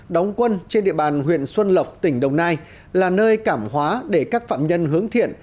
đóng quân trên địa bàn huyện xuân lộc tỉnh đồng nai là nơi cảm hóa để các phạm nhân hướng thiện